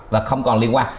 và không còn liên quan